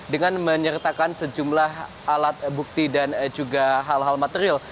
dengan menyertakan sejumlah alat bukti dan juga hal hal material